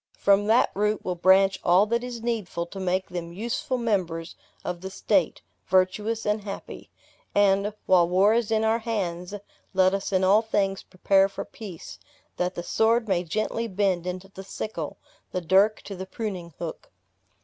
From that root will branch all that is needful to make them useful members of the state virtuous and happy. And, while war is in our hands, let us in all things prepare for peace, that the sword may gently bend into the sickle, the dirk to the pruning hook."